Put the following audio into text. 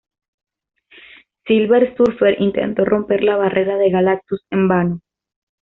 Silver Surfer intentó romper la barrera de Galactus en vano.